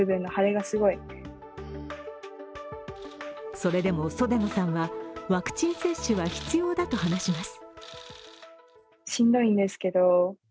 それでも袖野さんはワクチン接種は必要だと話します。